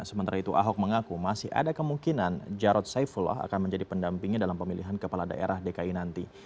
sementara itu ahok mengaku masih ada kemungkinan jarod saifullah akan menjadi pendampingnya dalam pemilihan kepala daerah dki nanti